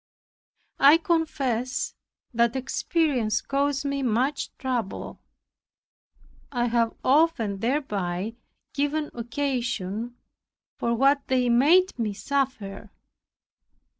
I confess that inexperience caused me much trouble. I have often thereby given occasion for what they made me suffer.